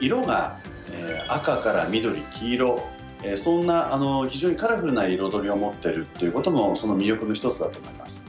色が、赤から緑、黄色そんな非常にカラフルな彩りを持ってるっていうことも魅力の１つだと思います。